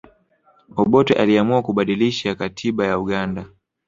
obote aliamua kubadilisha katiba ya uganda